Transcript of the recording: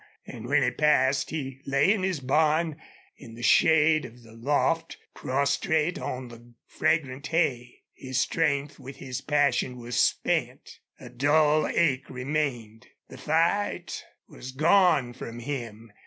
And when it passed he lay in his barn, in the shade of the loft, prostrate on the fragrant hay. His strength with his passion was spent. A dull ache remained. The fight was gone from him.